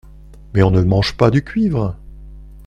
Mais on ne mange pas du cuivre.